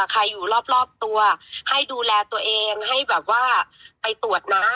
ใครอยู่รอบตัวให้ดูแลตัวเองให้แบบว่าไปตรวจนะ